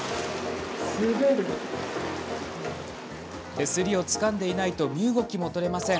手すりをつかんでいないと身動きも取れません。